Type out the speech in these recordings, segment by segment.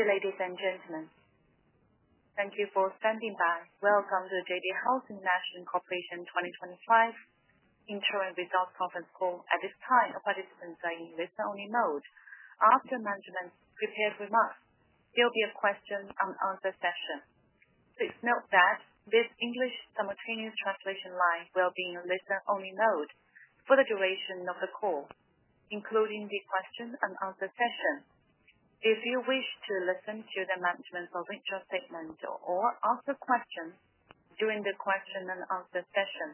Ladies and gentlemen, thank you for standing by. Welcome to the JD Health International 2025 Interim Results Conference Call. At this time, participants are in listen-only mode. After mentioning your hearing remarks, there will be a question and answer session. Please note that this English simultaneous translation line will be in listen-only mode for the duration of the call, including the question and answer session. If you wish to listen to the management or regional segment or ask a question during the question and answer session,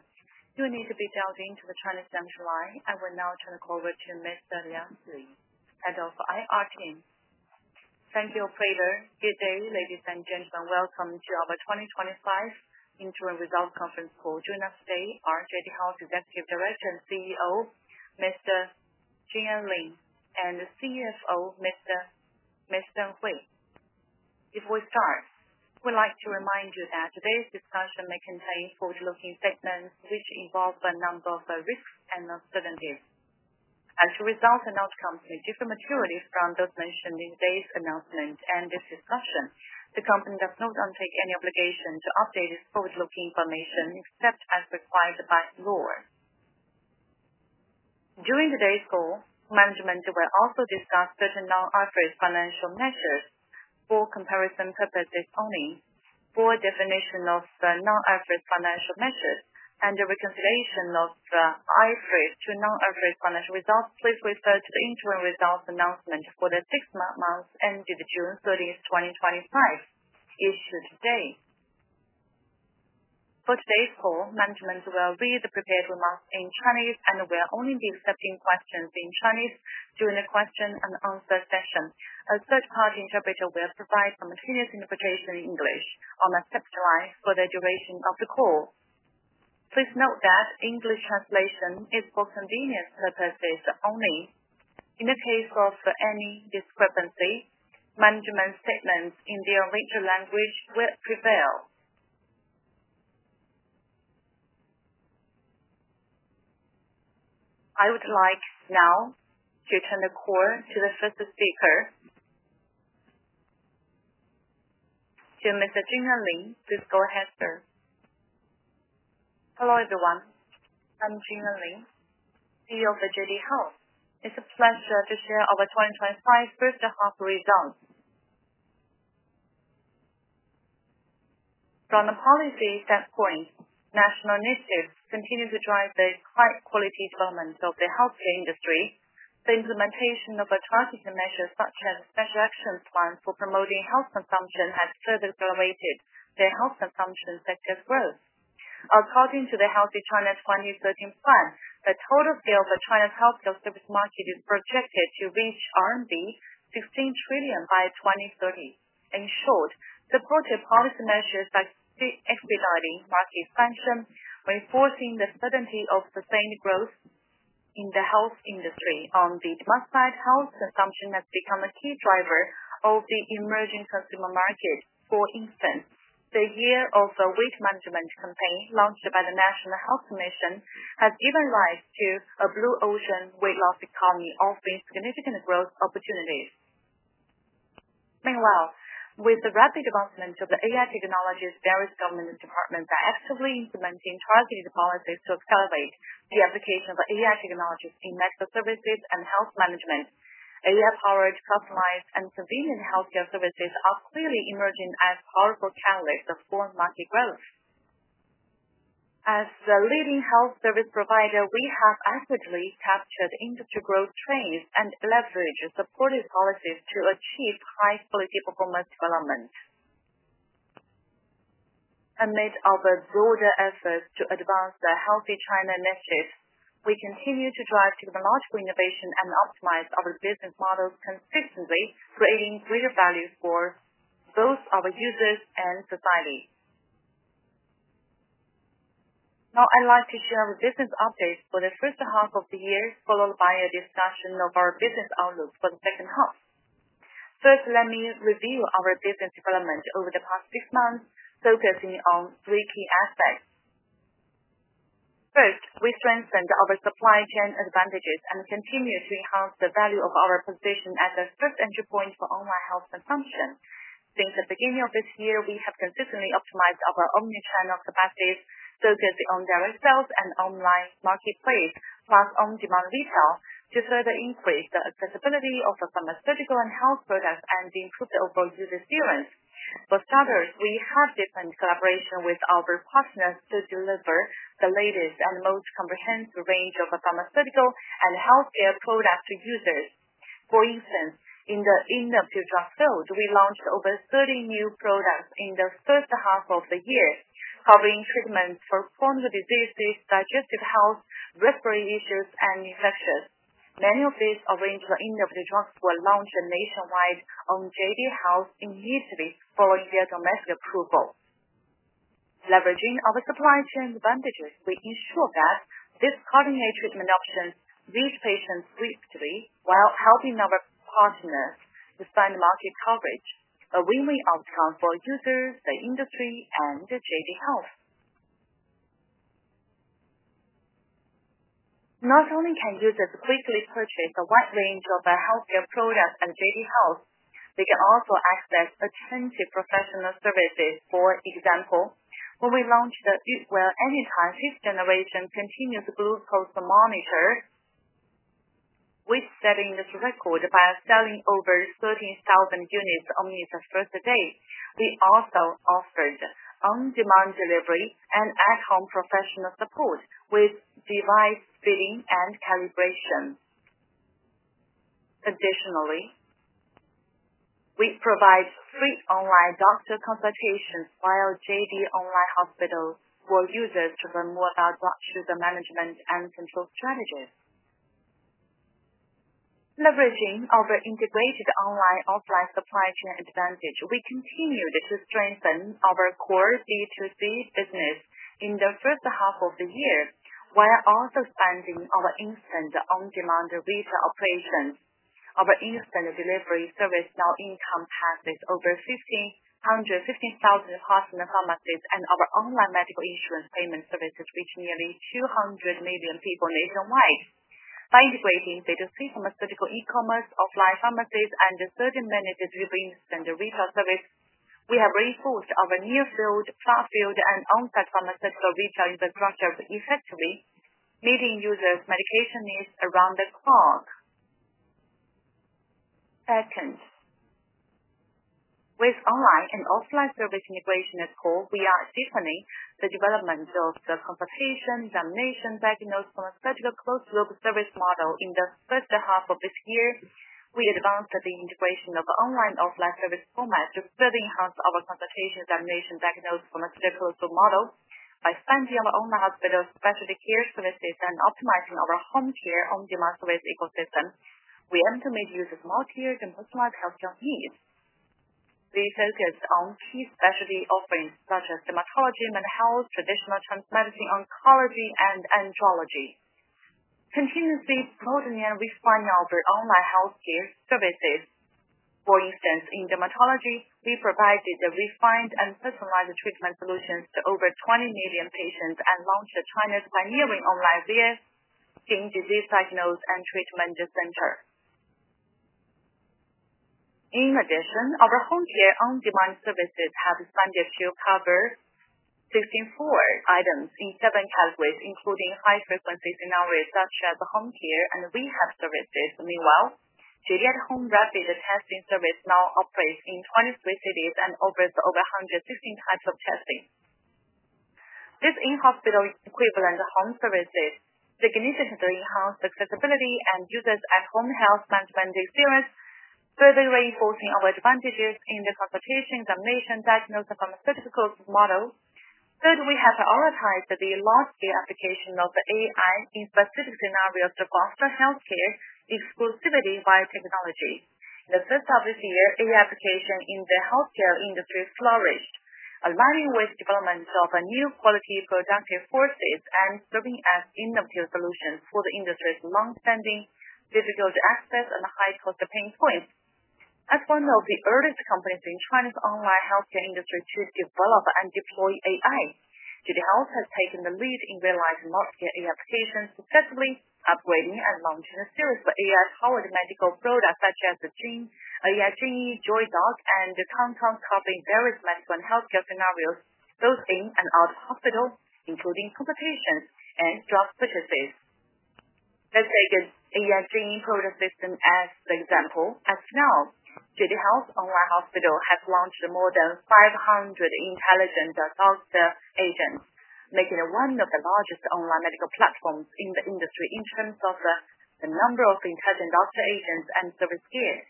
you need to be dialed into the Chinese central line. I will now turn it over to Mr. [Liang Zi], the Head of IR team. Thank you, pleasure. Good day, ladies and gentlemen. Welcome to our 2025 Interim Results Conference Call. Joining us today are JD Health Executive Director and CEO, Mr. Jin Enlin, and CFO, Mr. Hui. Before we start, we'd like to remind you that today's discussion may contain forward-looking statements which involve a number of risks and uncertainties. As the results and outcomes may differ materially from those mentioned in today's announcement and this discussion, the company does not undertake any obligation to update its forward-looking information except as required by the law. During today's call, management will also discuss certain non-average financial methods for comparison purposes only. For the definition of the non-average financial method and the reconsideration of the average to non-average financial results, please refer to the interim results announcement for the six months ending June 30th, 2025, issued today. For today's call, management will read the prepared remarks in Chinese and will only be accepting questions in Chinese during the question and answer session. A third-party interpreter will provide simultaneous interpretation in English on the second line for the duration of the call. Please note that English translation is for convenience purposes only. In the case of any discrepancy, management statements in their original language will prevail. I would like now to turn the call to the first speaker. Mr. Jin Enlin, please go ahead, sir. Hello, everyone. I'm Jin Enlin, CEO of JD Health. It's a pleasure to share our 2025 first half results. From a policy standpoint, national initiatives continue to drive the high-quality development of the healthcare industry. The implementation of a targeted measure, such as the Special Action Plan for Promoting Health Consumption, has further accelerated the health consumption sector's growth. According to the “Healthy China 2030” Plan, the total sale of China's healthcare service market is projected to reach RMB 16 trillion by 2030. In short, supportive policy measures like expediting market expansion are enforcing the certainty of sustained growth in the health industry. Health consumption has become a key driver of the emerging consumer market. For instance, the year-of-weight management campaign launched by the National Health Commission has given rise to a [blue ocean] “Weight Loss Economy” offering significant growth opportunities. Meanwhile, with the rapid development of AI technology, various government departments are actively implementing targeted policies to accelerate the application of AI technologies in medical services and health management. AI-powered, customized, and convenient healthcare services are clearly emerging as powerful catalysts for market growth. As a leading health service provider, we have accurately captured industry growth trends and leveraged supportive policies to achieve high-quality performance development. Amid our broader efforts to advance the Healthy China initiative, we continue to drive technological innovation and optimize our business models consistently, creating greater value for both our users and society. Now, I'd like to share our business updates for the first half of the year, followed by a discussion of our business outlook for the second half. First, let me review our business development over the past six months, focusing on three key aspects. First, we strengthened our supply chain advantages and continue to enhance the value of our position as a strict entry point for online health consumption. Since the beginning of this year, we have consistently optimized our omnichannel capacities, focusing on direct sales and online marketplace, plus on-demand retail to further increase the accessibility of pharmaceutical and health products and improve our user experience. For starters, we have deepened collaboration with our partners to deliver the latest and most comprehensive range of pharmaceutical and healthcare products to users. For instance, in the innovative drug field, we launched over 30 new products in the first half of the year, covering treatments for chronic diseases, digestive health, respiratory issues, and infections. Many of these original innovative drugs were launched nationwide on JD Health initially, following their domestic approval. Leveraging our supply chain advantages, we ensure that these cutting-edge treatment options reach patients swiftly while helping our partners expand market coverage, a win-win outcome for users, the industry, and JD Health. Not only can users quickly purchase a wide range of healthcare products at JD Health, they can also access extensive professional services. For example, when we launched the Yuwell Anytime 5th generation continuous glucose monitor, which set a new record by selling over 13,000 units only in the first day. We also offered on-demand delivery and at-home professional support with device fitting and calibration. Additionally, we provide free online doctor consultations via JD Online Hospital for users to learn more about doctor management and control strategies. Leveraging our integrated online offline supply chain advantage, we continued to strengthen our core B2C business in the first half of the year, while also expanding our instant on-demand retail operations. Our instant delivery service now encompasses over 200,000 healthcare pharmacies and our online medical insurance payment services reach nearly 200 million people nationwide. By integrating data-free pharmaceutical e-commerce, offline pharmacies, and the 30-minute distribution retail service, we have reinforced our near-field, far-field, and on-site pharmaceutical retail infrastructure effectively, meeting users' medication needs around the clock. Second, with online and offline service integration as core, we are expanding the development of the consultation, examination, diagnose pharmaceutical crossroads service model. In the first half of this year, we advanced the integration of online and offline service formats to further enhance our consultation, examination, diagnose pharmaceutical model by expanding our online hospital-specific care services and optimizing our home care on-demand service ecosystem. We aim to meet users' more care and personalized healthcare needs. We focus on key specialty offerings, such as dermatology, mental health, traditional Chinese medicine, oncology, and angiology. Continuously broadening and refining our online healthcare services. For instance, in dermatology, we provided the refined and personalized treatment solutions to over 20 million patients and launched China's pioneering online seeing disease diagnosis and treatment differential. In addition, our home care on-demand services have expanded to cover 64 items in seven categories, including high-frequency scenarios such as home care and rehab services. Meanwhile, the home rapid testing service now operates in 23 cities and offers over 160 types of testing. This in-hospital equivalent home services significantly enhanced accessibility and users' at-home health management experience, further reinforcing our advantages in the consultation, examination, diagnosis, and pharmaceutical model. Third, we have prioritized the large-scale application of AI in specific scenarios to foster healthcare exclusivity via technology. In the first half of this year, AI application in the healthcare industry flourished, aligning with the development of new quality productive forces and serving as innovative solutions for the industry's long-standing difficult access and high-cost pain points. As one of the earliest companies in China's online healthcare industry to develop and deploy AI, JD Health has taken the lead in realizing large-scale AI applications successfully, upgrading and launching a series of AI-powered medical products such as the AI Jingyi, JOY DOC, and the content covering various medical and healthcare scenarios both in and out of hospitals, including consultations and drug purchases. Let's take the AI Jingyi product system as an example. As well, JD Health's online hospital has launched more than 500 intelligent doctor agents, making it one of the largest online medical platforms in the industry in terms of the number of intelligent doctor agents and service tiers.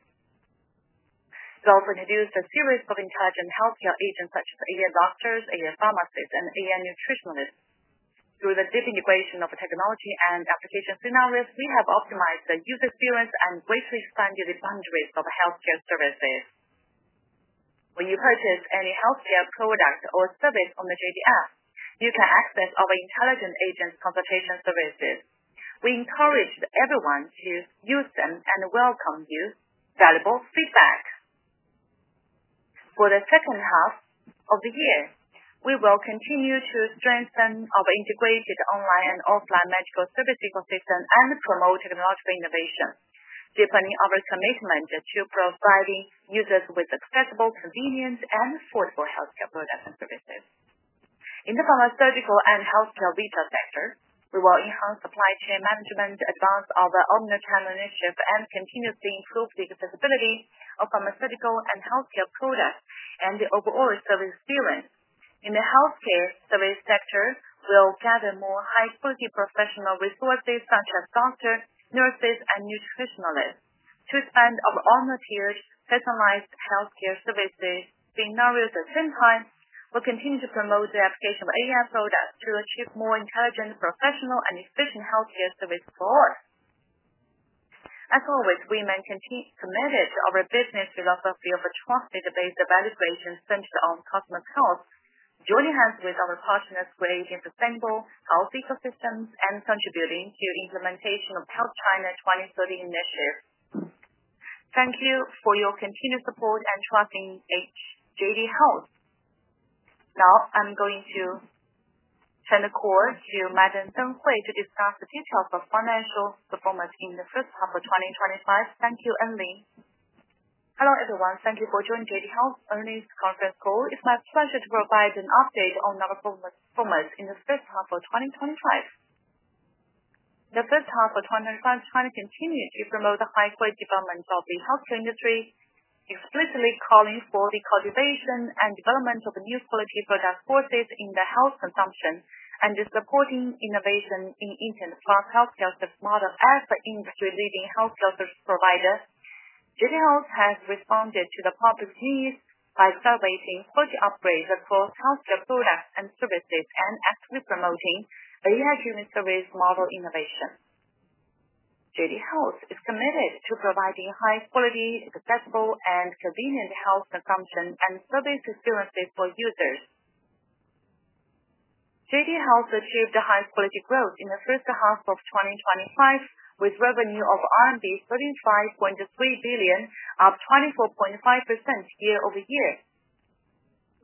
We also introduce a series of intelligent healthcare agents such as AI doctors, AI pharmacists, and AI nutritionists. Through the deep integration of technology and application scenarios, we have optimized the user experience and greatly expanded the boundaries of healthcare services. When you purchase any healthcare product or service on the JD app, you can access our intelligent agent's consultation services. We encourage everyone to use them and welcome your valuable feedback. For the second half of the year, we will continue to strengthen our integrated online and offline medical service ecosystem and promote technological innovation, deepening our commitment to providing users with accessible, convenient, and affordable healthcare products and services. In the pharmaceutical and healthcare retail sector, we will enhance supply chain management, advance our omnichannel initiative, and continuously improve the accessibility of pharmaceutical and healthcare products and the overall service experience. In the healthcare service sector, we will gather more high-quality professional resources such as doctors, nurses, and nutritionists to expand our all-natural personalized healthcare services scenarios. At the same time, we'll continue to promote the application of AI products to achieve more intelligent, professional, and efficient healthcare service for all. As always, we remain committed to our business philosophy of a trusted data-based evaluation centered on customer health, joining hands with our partners to create a sustainable health ecosystem and contributing to the implementation of the Healthy China 2030 initiative. Thank you for your continued support and trust in JD Health. Now, I'm going to turn the call to Madam Deng Hui to discuss the details of our financial performance in the first half of 2025. Thank you, Enlin. Hello, everyone. Thank you for joining JD Health's earnings conference call. It's my pleasure to provide an update on our performance in the first half of 2025. The first half of 2025 is trying to continue to promote the high-quality development of the healthcare industry, explicitly calling for the cultivation and development of new quality product forces in the health consumption and supporting innovation in the healthcare model. As the industry-leading healthcare provider, JD Health has responded to the public's needs by accelerating further upgrades across healthcare products and services and actively promoting the AI-driven service model innovation. JD Health is committed to providing high-quality, accessible, and convenient health consumption and service experiences for users. JD Health achieved high-quality growth in the first half of 2025 with revenue of RMB 35.3 billion, up 24.5% year over year.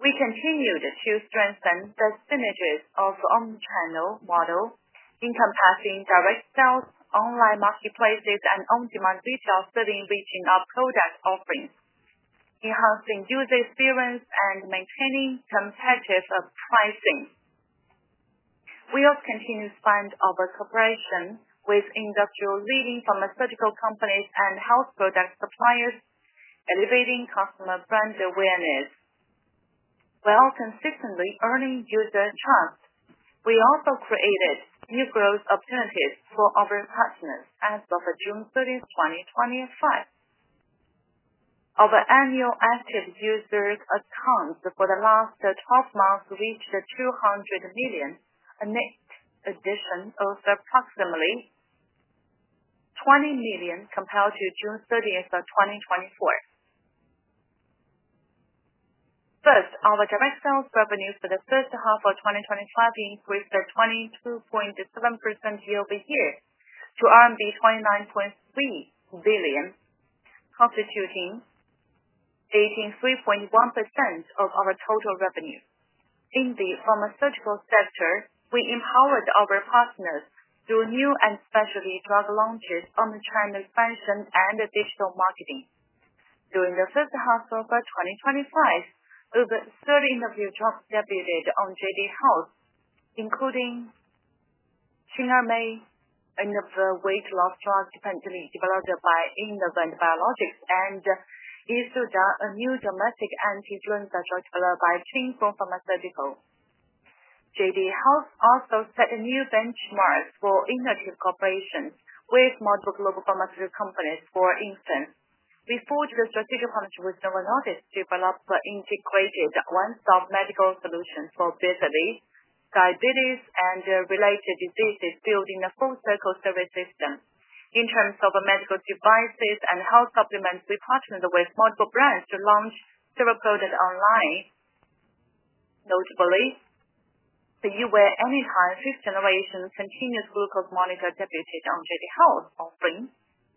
We continued to strengthen the synergies of the omnichannel model, encompassing direct sales, online marketplaces, and on-demand retail services, reaching our product offerings, enhancing user experience, and maintaining competitive pricing. We also continue to expand our cooperation with industry-leading pharmaceutical companies and health product suppliers, elevating customer brand awareness while consistently earning user trust. We also created new growth opportunities for our partners as of June 30th, 2025. Our annual active user accounts for the last 12 months reached 200 million, a net addition of approximately 20 million compared to June 30th, 2024. First, our direct sales revenue for the first half of 2025 increased 22.7% year-over-year to RMB 29.3 billion, constituting [83.1%] of our total revenue. In the pharmaceutical sector, we empowered our partners through new and specialty drug launches on the China expansion and digital marketing. During the first half of 2025, over 30 innovative drugs debuted on JD Health, including Xin Er Mei, an innovative drug developed by Innovent Biologics, and Yi Su Da, a new domestic anti-influenza drug developed by Qingfeng Pharmaceutical. JD Health also set new benchmarks for innovative cooperation with multiple global pharmaceutical companies. For instance, through the strategic partnership with Novo Nordisk, we developed an integrated one-stop medical solution for diabetes and related diseases, building a full circle service system. In terms of medical devices and health supplements, we partnered with multiple brands to launch several products online. Notably, the Yuwell Anytime 5th generation continuous glucose monitor debuted on JD Health, offering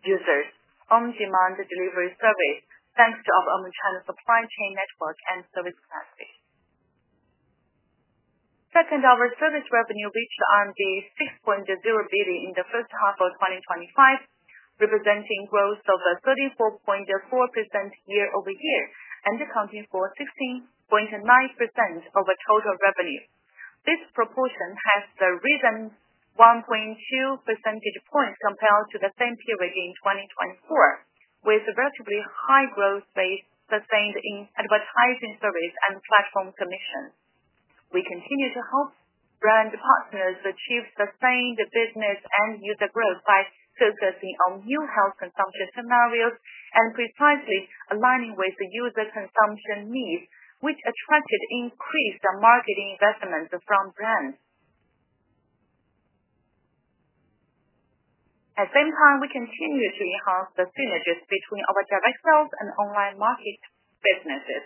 users on-demand delivery service thanks to our online channel supply chain network and service capacity. Second, our service revenue reached 6.0 billion in the first half of 2025, representing growth of 34.4% year-over-year and accounting for [16.9%] of total revenue. This proportion has risen 1.2 percentage points compared to the same period in 2024, with relatively high growth rates sustained in advertising service and platform commissions. We continue to help brand partners achieve sustained business and user growth by focusing on new health consumption scenarios and precisely aligning with the user consumption needs, which attracted increased marketing investments from brands. At the same time, we continuously enhance the synergies between our direct sales and online market businesses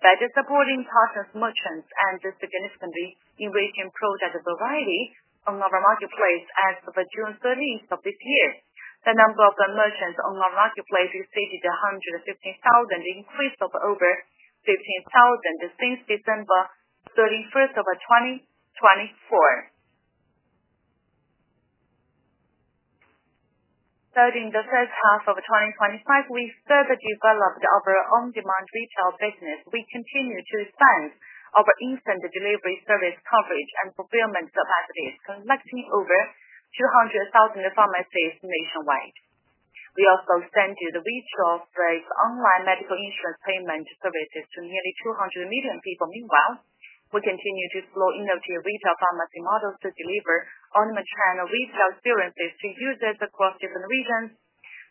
by supporting partner merchants and significantly increasing product variety on our marketplace. As of June 30, 2025, the number of merchants on our marketplace exceeded 150,000, an increase of over 15,000 since December 31st, 2024. Starting the first half of 2025, we further developed our on-demand retail business. We continue to expand our instant delivery service coverage and fulfillment capacities, connecting over 200,000 pharmacies nationwide. We also extended the retail-based online medical insurance payment services to nearly 200 million people. Meanwhile, we continue to explore innovative retail pharmacy models to deliver omnichannel retail experiences to users across different regions.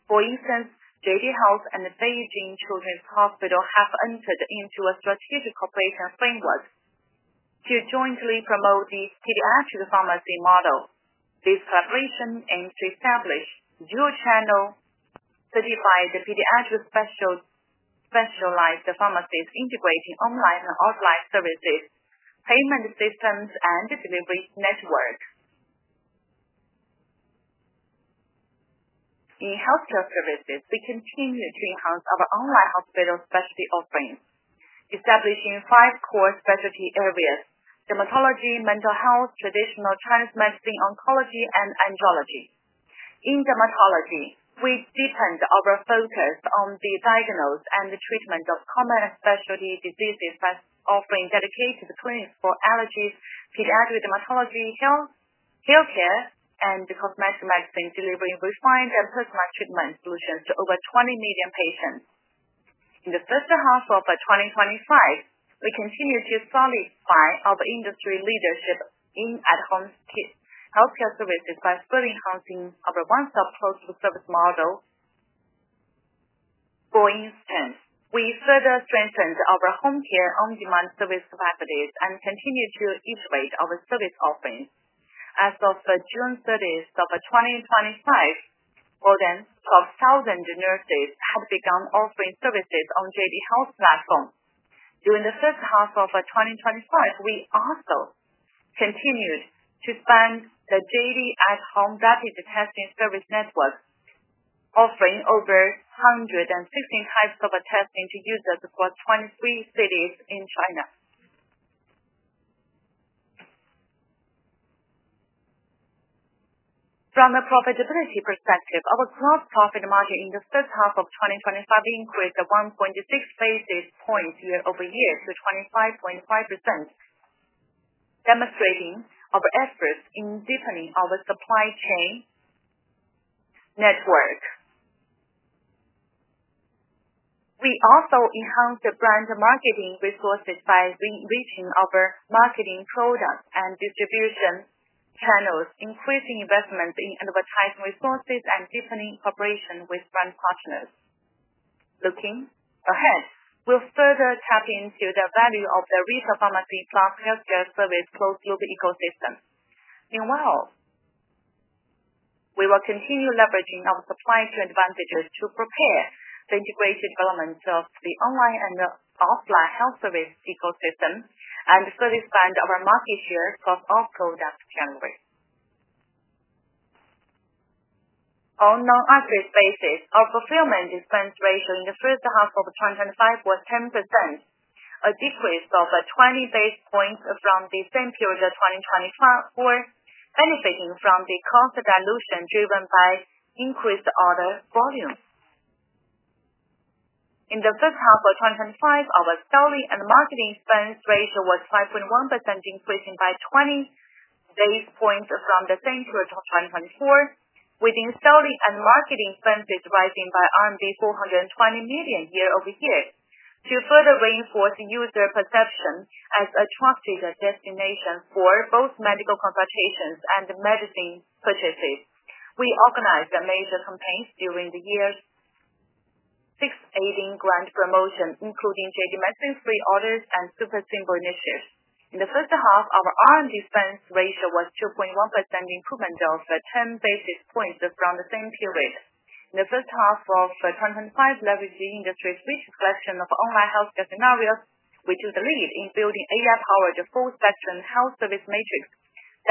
For instance, JD Health and Beijing Children’s Hospital have entered into a strategic cooperation framework to jointly promote the pediatric pharmacy model. This collaboration aims to establish dual-channel pediatric specialized pharmacies integrating online and offline services, payment systems, and delivery networks. In healthcare services, we continue to enhance our online hospital specialty offerings, establishing five core specialty areas: dermatology, mental health, traditional Chinese medicine, oncology, and angiology. In dermatology, we deepened our focus on the diagnosis and the treatment of common specialty diseases, offering dedicated training for allergies, pediatric dermatology, healthcare, and cosmetic medicine, delivering refined and personalized treatment solutions to over 20 million patients. In the first half of 2025, we continue to solidify our industry leadership in at-home care services by further enhancing our one-stop postal service model. For instance, we further strengthened our home care on-demand service capacities and continue to expand our service offerings. As of June 30th, 2025, more than 12,000 nurses have begun offering services on the JD Health platform. During the first half of 2025, we also continued to expand the JD at-home rapid testing service network, offering over 160 types of testing to users across 23 cities in China. From a profitability perspective, our gross profit margin in the first half of 2025 increased 1.6 basis points year over year to 25.5%, demonstrating our efforts in deepening our supply chain network. We also enhanced the brand marketing resources by reaching our marketing products and distribution channels, increasing investments in advertising resources, and deepening cooperation with brand partners. Looking ahead, we'll further tap into the value of the retail pharmacy plus healthcare service cross-loop ecosystem. Meanwhile, we will continue leveraging our supply chain advantages to prepare the integrated development of the online and offline health service ecosystem and further expand our market share across all product categories. On an average basis, our fulfillment expense ratio in the first half of 2025 was 10%, a decrease of 20 basis points from the same period of 2024, benefiting from the cost dilution driven by increased order volume. In the first half of 2025, our selling and marketing expense rate was 5.1%, increasing by 20 basis points from the same period of 2024, with selling and marketing expenses rising by RMB 420 million year-over-year. To further reinforce user perception as a trusted destination for both medical consultations and medicine purchases, we organized major campaigns during the year's 618 Grand Promotion, including JD Medicine Free Orders and Super Simple initiatives. In the first half, our R&D expense ratio was 2.1%, an improvement of 10 basis points from the same period. In the first half of 2025, leveraging industry's rich selection of online healthcare scenarios, we took the lead in building AI-powered full-spectrum health service matrix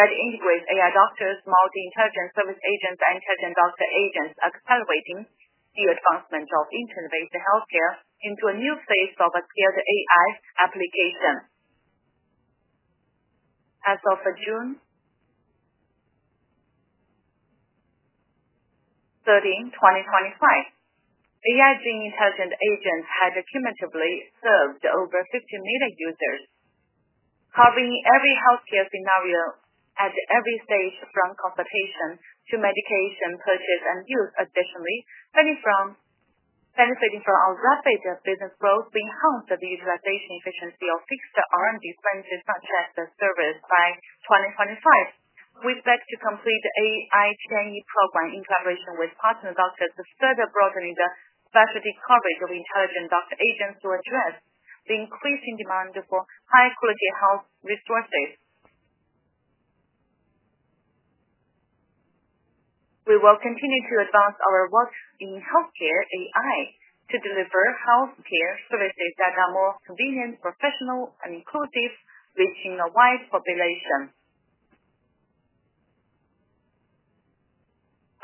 that integrates AI doctors, multi-intelligent service agents, and intelligent doctor agents, accelerating the advancement of interface healthcare into a new phase of a shared AI application. As of June 30, 2025, AI Jingyi intelligent agents have cumulatively served over 50 million users, covering every healthcare scenario at every stage, from consultation to medication purchase and use. Additionally, benefiting from our rapid business growth, we enhanced the utilization efficiency of fixed R&D expenses, such as the service. By 2025, we expect to complete the AI Jingyi program in collaboration with partner doctors to further broaden the specific coverage of intelligent doctor agents to address the increasing demand for high-quality health resources. We will continue to advance our work in healthcare AI to deliver healthcare services that are more convenient, professional, and inclusive, reaching a wide population.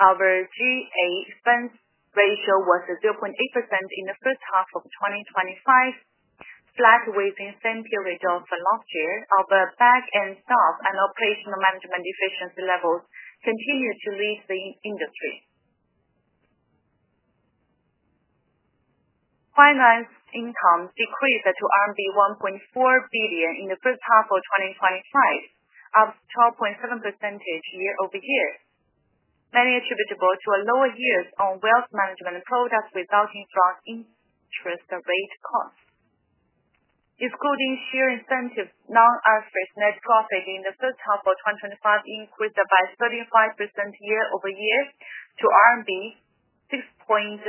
Our G&A expense ratio was 0.8% in the first half of 2025, flat with the same period of last year. Our backend staff and operational management efficiency levels continue to lead the industry. Finance income decreased to RMB 1.4 billion in the first half of 2025, up 12.7% year-over-year, mainly due to a lower yield on wealth management products resulting from interest-based costs. Excluding share incentives, non-GAAP net profit in the first half of 2025 increased by 35% year-over-year to RMB 3.6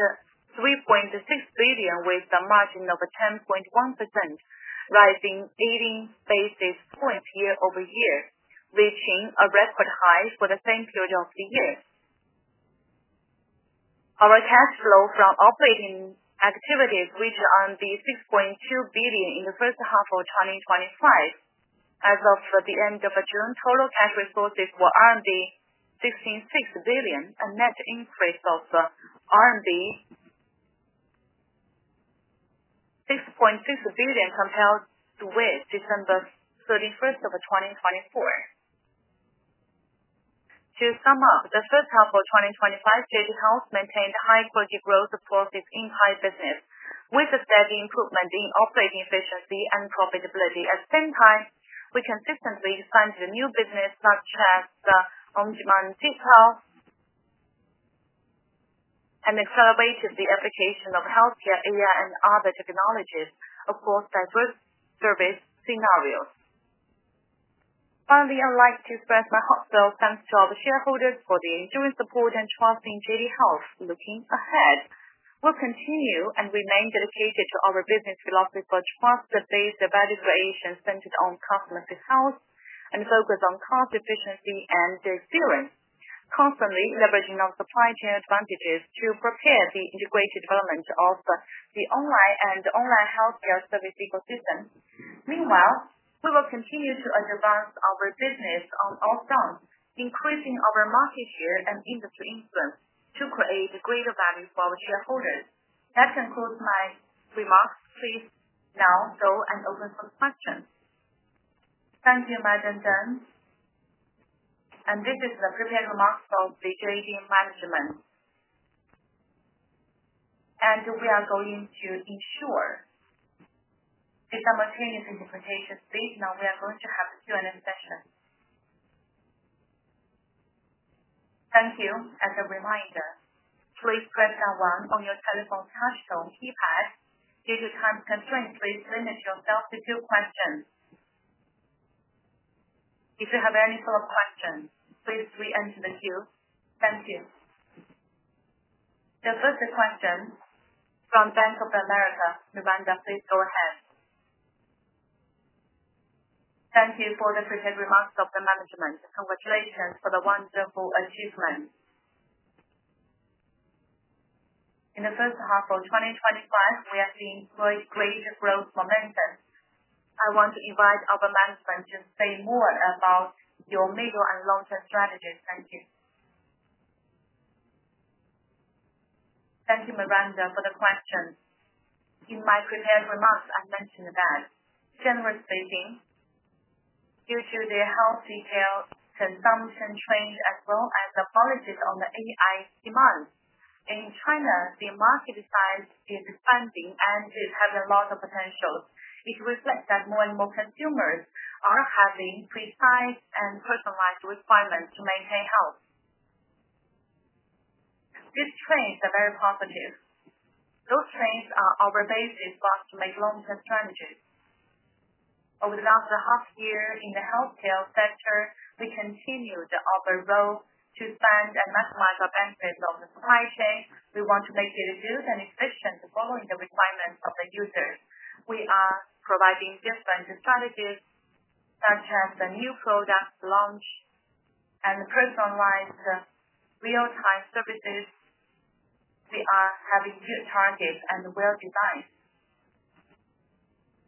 billion, with a margin of 10.1%, rising 18 basis points year-over-year, reaching a record high for the same period of the year. Our cash flow from operating activities reached 6.2 billion in the first half of 2025. As of the end of June, total cash resources were 66 billion, a net increase of RMB 6.6 billion compared with December 31st, 2024. To sum up, in the first half of 2025, JD Health maintained high-quality growth for its entire business, with a steady improvement in operating efficiency and profitability. At the same time, we consistently expanded new business, such as the omnichannel digital health, and accelerated the application of healthcare AI and other technologies across diverse service scenarios. Finally, I'd like to express my heartfelt thanks to our shareholders for the enduring support and trust in JD Health. Looking ahead, we'll continue and remain dedicated to our business philosophy for trust-based value creation centered on customer health and focus on cost efficiency and the experience, constantly leveraging our supply chain advantages to prepare the integrated development of the online and offline healthcare service ecosystem. Meanwhile, we will continue to advance our business on the offline, increasing our market share and industry influence to create greater value for the shareholders. That concludes my remarks. Please now go and open for questions. Thank you, Madam Deng. I'm ready to prepare remarks for the [JD Health] management. We are going to ensure the simultaneous interpretation. Please note we are going to have Q&A sessions. Thank you. As a reminder, please press one on your telephone touch-tone keypad. Due to time constraints, please limit yourself to two questions. If you have any follow-up questions, please re-enter the queue. Thank you. The first question is from Bank of America. [Miranda], please go ahead. Thank you for the prepared remarks of the management. Congratulations for the wonderful achievements. In the first half of 2025, we have seen great growth momentum. I want to invite our management to say more about your middle and long-term strategies. Thank you. Thank you, Miranda, for the questions. In my prepared remarks, I mentioned that generally speaking, due to the healthcare consumption trends, as well as the policies on the AI demand in China, the market size is expanding and is having a lot of potential. It reflects that more and more consumers are having precise and personalized requirements to maintain health. This trend is very positive. Those trends are our basis for us to make long-term strategies. Over the last half year in the healthcare sector, we continue our role to expand and maximize our benefits on the supply chain. We want to make it as smooth and efficient following the requirements of the users. We are providing different strategies, such as a new product launch and personalized real-time services. We are having new targets and well-designed.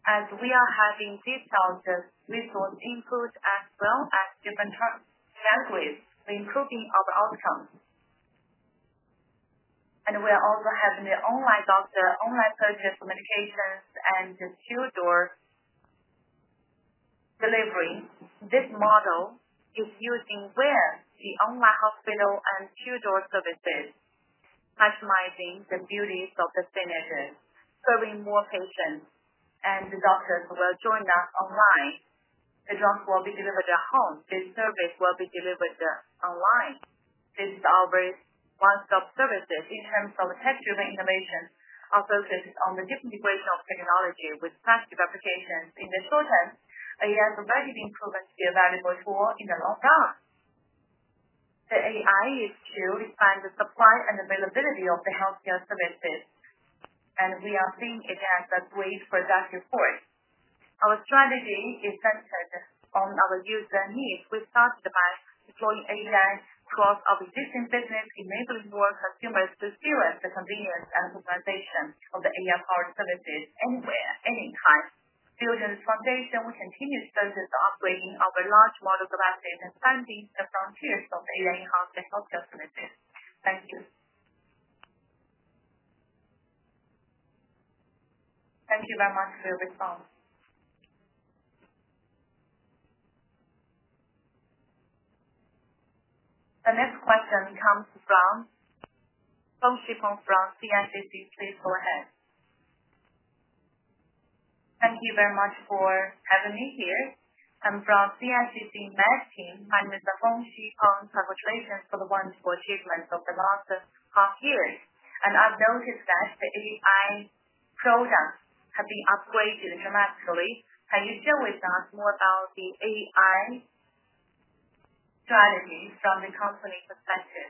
As we are having detailed resource input, as well as different categories, we're improving our outcomes. We are also having the online doctor, online purchase of medications, and two-door delivery. This model is using where the online hospital and two-door services maximizing the beauties of the synergy, serving more patients. Doctors will join us online. The drugs will be delivered at home. The service will be delivered online. This is our one-stop services. It comes from a text-driven innovation. Our focus is on the deep integration of technology with passive applications. In the short term, AI has already been proven to be a valuable tool in the long term. The AI is to expand the supply and availability of the healthcare services. We are seeing it as a great progressive force. Our strategy is centered on our user needs, which started by deploying AI across our existing business, enabling more consumers to experience the convenience and personalization of the AI-powered services anywhere, anytime. Building this foundation, we continue to spend this upgrading our large model capacity to expand the frontiers of AI in healthcare services. Thank you. Thank you very much for your response. The next question comes from [Feng Shi Feng from CIBC]. Please go ahead. Thank you very much for having me here. I'm from [CIBC Investing]. I'm with the [Feng Shi Feng] for the wonderful achievements of the last half year. I've noticed that the AI products have been upgraded dramatically. Can you share with us more about the AI strategies from the company's perspective?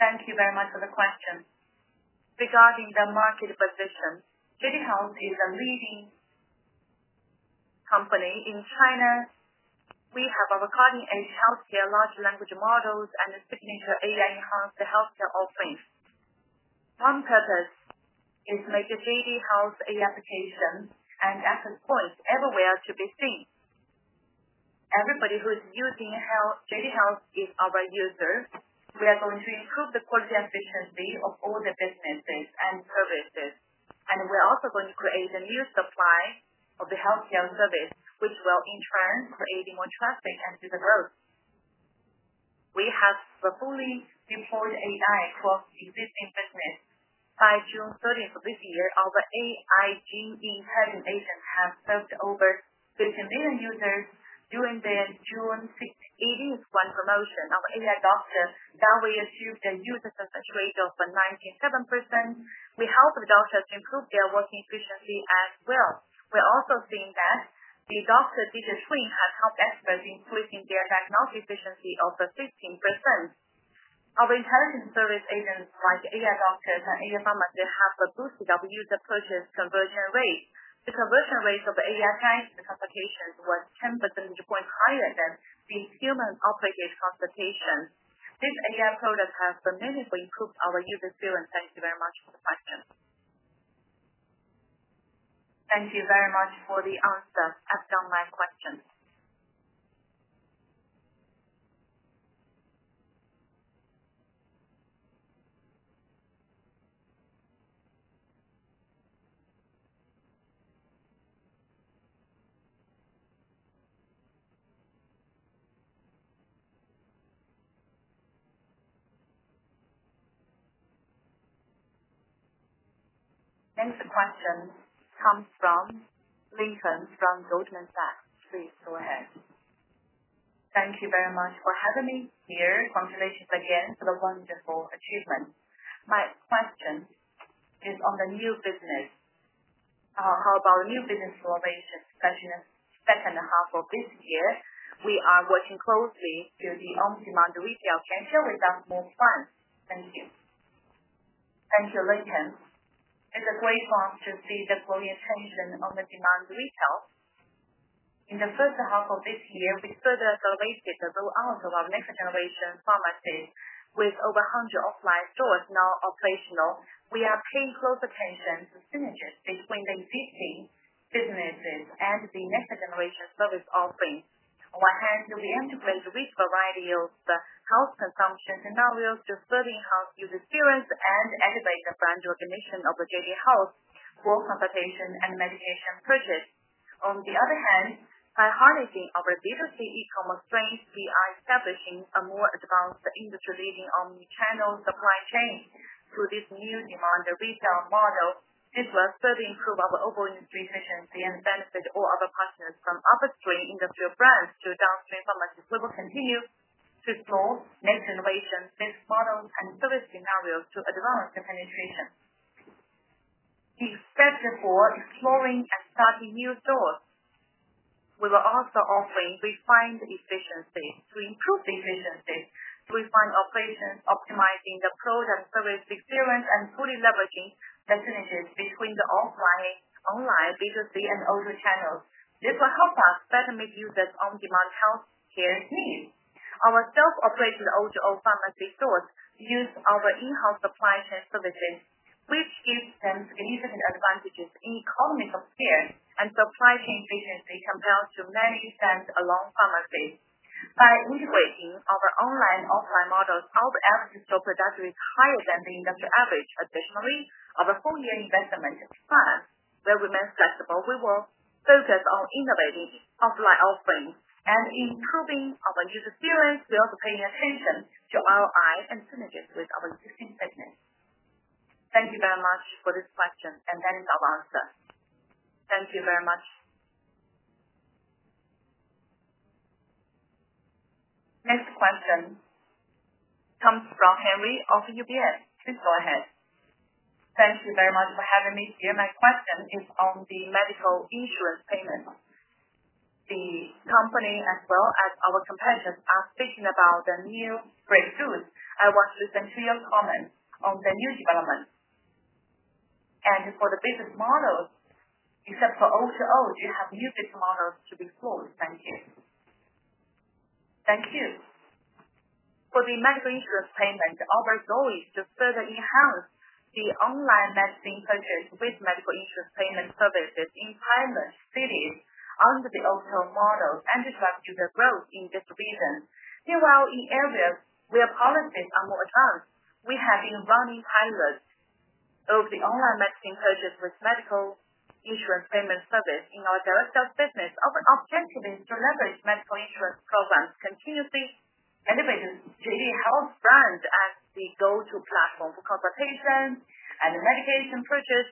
Thank you very much for the question. Regarding the market position, JD Health is a leading company in China. We have our cutting-edge healthcare large language models and a signature AI-enhanced healthcare offering. One purpose is to make JD Health AI applications and access points everywhere to be seen. Everybody who is using JD Health is our user. We are going to improve the quality and efficiency of all the businesses and services. We're also going to create a new supply of the healthcare service, which will in turn create more traffic and visitors. We have fully deployed AI across existing business. By June 30, 2025, our AI Jingyi intelligent doctor agents have served over 15 million users. During the June 18 promotion of AI doctors, we achieved a user success rate of 97%. We helped the doctors to improve their working efficiency as well. We're also seeing that the doctor digital suite has helped experts improve their diagnostic efficiency by 15%. Our intelligent service agents like AI doctors and AI pharmacists have boosted our user purchase conversion rate. The conversion rate of AI healthcare consultations was 10% points higher than the human-operated consultations. This AI product has meaningfully improved our user experience. Thank you very much for the questions. Thank you very much for the answers to my questions. End of questions comes from [Ling Feng] from Goldman Sachs. Please go ahead. Thank you very much for having me here. Congratulations again for the wonderful achievements. My question is on the new business. How about new business for the second half of this year? We are working closely to the on-demand retail to share with us more funds. Thank you. Thank you, [Ling Feng]. It's great for us to see the career changes in on-demand retail. In the first half of this year, we further accelerated the rollout of our next-generation pharmacy, with over 100 offline stores now operational. We are paying close attention to synergies between existing businesses and the next-generation service offerings. On one hand, we integrate a rich variety of health consumption scenarios to further enhance user experience and elevate the brand recognition of JD Health for consultation and medication purchase. On the other hand, by harnessing our diverse e-commerce strengths, we are establishing a more advanced industry-leading omnichannel supply chain. Through this new demand retail model, it will further improve our operating efficiency and benefit all our partners from upstream industrial brands to downstream pharmacies. We will continue to explore next innovations, business models, and service scenarios to advance the penetration. It's best for exploring and starting new stores. We will also offer refined efficiencies to improve the efficiency to refine operations, optimizing the product service experience, and fully leveraging the synergies between the offline and online B2C and other channels. It will help us better meet users' on-demand healthcare needs. Our self-operating pharmacy stores use our in-house supply chain services, which gives them significant advantages in economic scale and supply chain efficiency compared to many stand-alone pharmacies. By integrating our online offline model, our average store production is higher than the industry average. Additionally, our whole year investment is fast. We remain flexible. We will focus on innovating offline offerings and improving our user experience, while paying attention to ROI and synergies with our existing business. Thank you very much for this question. That is our answer. Thank you very much. Next question comes from Henry of UBS. Please go ahead. Thank you very much for having me here. My question is on the medical insurance payment. The company, as well as our competitors, are speaking about the new breakthroughs. I want to listen to your comments on the new development. For the business models, except for [OJO], do you have the usage model to explore? Thank you. Thank you. For the medical insurance payment, our goal is to further enhance the online medicine purchase with medical insurance payment services in pilot cities under the [OJO] model and attract to the growth in this region. Meanwhile, in areas where policies are more advanced, we have been running pilots of the online medicine purchase with medical insurance payment service in our direct sales business. Our intent is to leverage medical insurance programs continuously and advance JD Health brand as the go-to platform for consultation and medication purchase,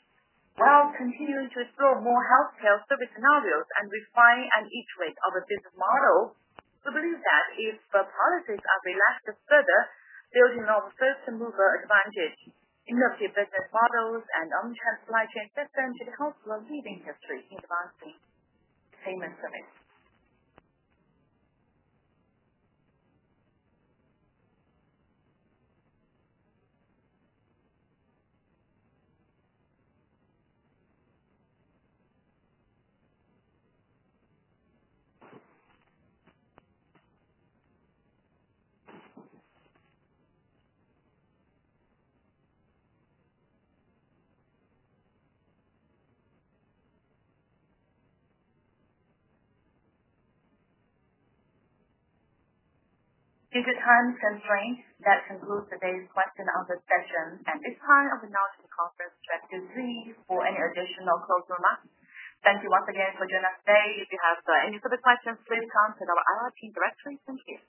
while continuing to explore more healthcare service scenarios and refine and iterate our business model. We believe that if the policies are relaxed further, building our first-mover advantage, innovative business models, and on-the-site systems will help repeating history in advancing payment services. If your time stands for any, that concludes today's question of the session. It's time of the nursing conference. Thank you for any additional closing remarks. Thank you once again for joining us today. If you have any further questions, please come to our R&D directory. Thank you.